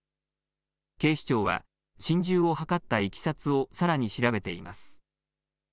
警視庁は心中を図ったいきさつをさらに調べています。